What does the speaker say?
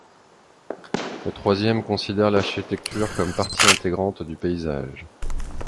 Le troisième considère l’architecture comme partie intégrante du paysage.